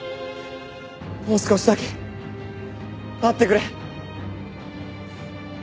もう少しだけ待ってくれ。